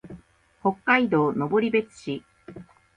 北海道登別市